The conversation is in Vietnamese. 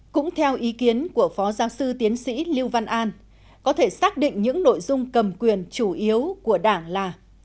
cũng theo ý kiến của phó giáo sư tiến sĩ lưu văn an có thể xác định những nội dung cầm quyền chủ yếu của đảng là